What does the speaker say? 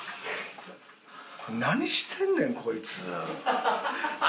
何してんねんこいつ。